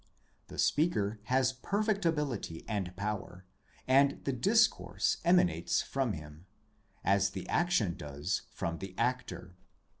The speaker has perfect ability and power, and the discourse emanates from him, as the action does from the actor.